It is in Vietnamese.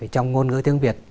trong ngôn ngữ tiếng việt này